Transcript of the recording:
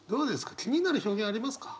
気になる表現ありますか？